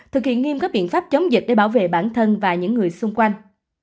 thực hiện nghiêm các biện pháp chống dịch để bảo vệ bản thân và những người xung quanh